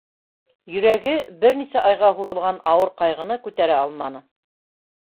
Йөрәге бер нисә айға һуҙылған ауыр ҡайғыны күтәрә алманы.